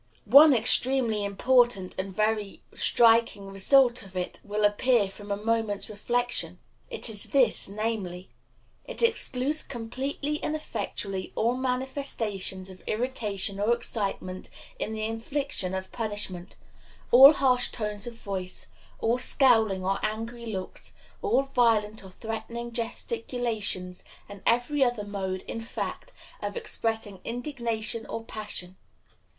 One extremely important and very striking result of it will appear from a moment's reflection. It is this, namely: It excludes completely and effectually all manifestations of irritation or excitement in the infliction of punishment all harsh tones of voice, all scowling or angry looks, all violent or threatening gesticulations, and every other mode, in fact, of expressing indignation or passion.